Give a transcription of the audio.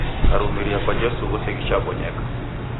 Karumiria kwa jesu ghose ghichabonyeka